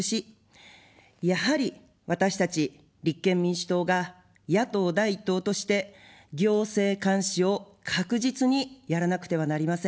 やはり私たち立憲民主党が野党第１党として行政監視を確実にやらなくてはなりません。